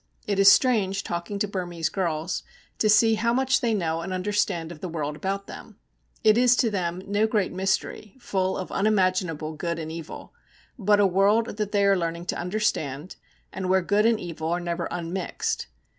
It is strange, talking to Burmese girls, to see how much they know and understand of the world about them. It is to them no great mystery, full of unimaginable good and evil, but a world that they are learning to understand, and where good and evil are never unmixed.